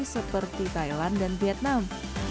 seperti thailand dan vietnam